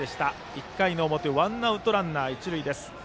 １回の表ワンアウトランナー、一塁です。